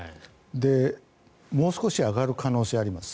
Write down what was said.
もう少し上がる可能性があります。